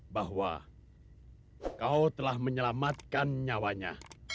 bahwa kau telah menyelamatkan nyawanya